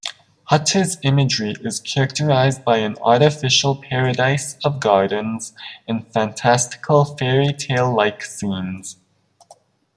Hutter's imagery is characterised by an artificial paradise of gardens and fantastical fairytale-like scenes.